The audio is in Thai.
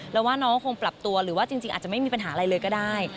แล้วว่าน้องก็คงปรับตัวหรือว่าจริงอาจจะไม่มีปัญหาอะไรเลยก็ได้